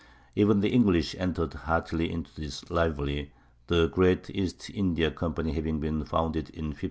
Even the English entered heartily into this rivalry, the great East India Company having been founded in 1599.